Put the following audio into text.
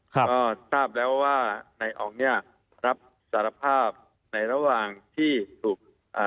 ก็ทราบแล้วว่านายอ๋องเนี้ยรับสารภาพในระหว่างที่ถูกอ่า